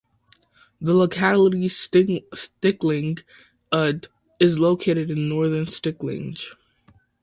The locality Sticklinge udde is located in northern Sticklinge.